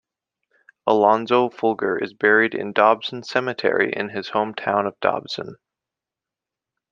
Alonzo Folger is buried in Dobson Cemetery in his hometown of Dobson.